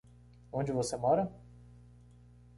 Onde você mora?